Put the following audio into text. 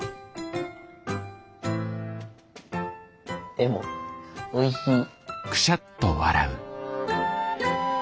でもおいしい。